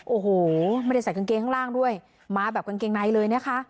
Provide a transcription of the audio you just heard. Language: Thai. โอ้โหไม่ได้ใส่กางเกงข้างล่างด้วยมาแบบกางเกงในเลยนะคะ